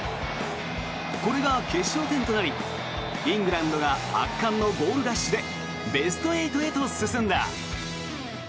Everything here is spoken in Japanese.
これが決勝点となりイングランドが圧巻のゴールラッシュでベスト８へと進んだ。